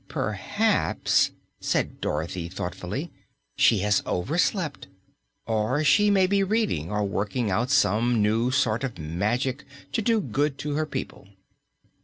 "Perhaps," said Dorothy thoughtfully, "she has overslept. Or she may be reading or working out some new sort of magic to do good to her people."